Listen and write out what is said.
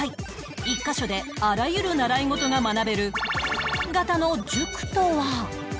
１カ所であらゆる習い事が学べる型の塾とは？